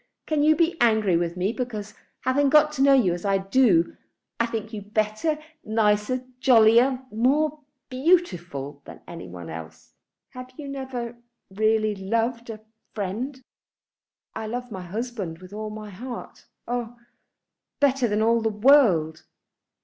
Can you be angry with me because, having got to know you as I do, I think you better, nicer, jollier, more beautiful than any one else? Have you never really loved a friend?" "I love my husband with all my heart, oh, better than all the world."